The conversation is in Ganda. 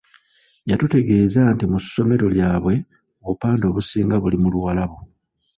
Yatutegeeza nti mu ssomero lyabwe obupande obusinga buli mu Luwarabu.